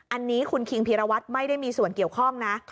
อันนี้คุณคิงพีรวัตรไม่ได้มีส่วนเกี่ยวข้องนะ